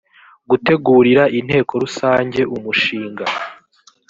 gutegurira inteko rusange umushinga